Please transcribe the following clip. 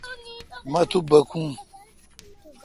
مہ تو باکو۔